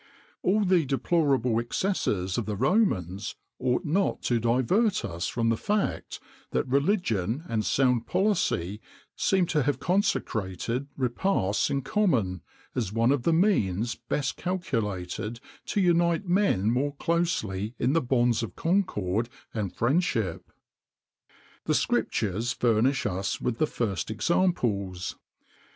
[XXIX 77] All the deplorable excesses of the Romans ought not to divert us from the fact, that religion and sound policy seem to have consecrated repasts in common, as one of the means best calculated to unite men more closely in the bonds of concord and friendship.[XXIX 78] The Scriptures furnish us with the first examples.